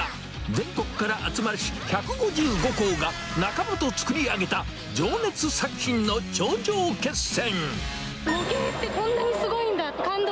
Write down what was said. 全国から集まりし１５５校が、仲間と作り上げた情熱作品の頂上決戦。